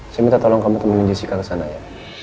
saya minta tolong kamu temuin jessica kesana ya